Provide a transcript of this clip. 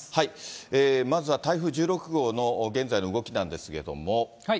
まずは台風１６号の現在の動きなんですけれども。